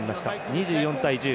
２４対１０。